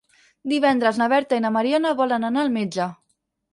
Divendres na Berta i na Mariona volen anar al metge.